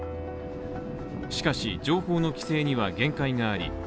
しかし情報の規制には限界があり